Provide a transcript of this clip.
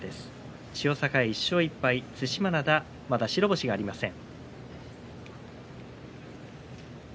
千代栄、１勝１敗對馬洋は、まだ白星がありません。